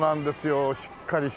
しっかりした。